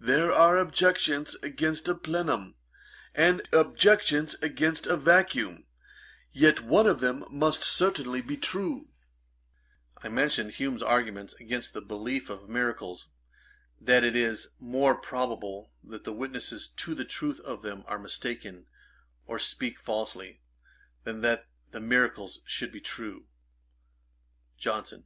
There are objections against a plenum, and objections against a vacuum; yet one of them must certainly be true.' [Page 445: The proofs of Christianity. Ætat 54.] I mentioned Hume's argument against the belief of miracles, that it is more probable that the witnesses to the truth of them are mistaken, or speak falsely, than that the miracles should be true. JOHNSON.